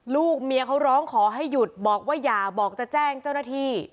ลูกเมียเขาร้องขอให้หยุดบอกว่าอย่าบอกจะแจ้งเจ้าหน้าที่